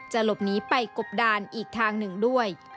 หลบหนีไปกบดานอีกทางหนึ่งด้วย